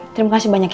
terima kasih banyak ya